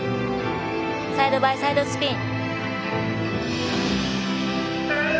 サイドバイサイドスピン。